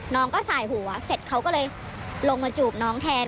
น้องก็สายหัวเสร็จเขาก็เลยลงมาจูบน้องแทน